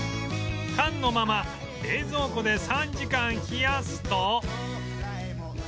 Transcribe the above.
缶のまま冷蔵庫で３時間冷やすと